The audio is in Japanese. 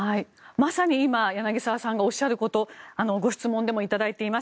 まさに今柳澤さんがおっしゃることご質問でも頂いています。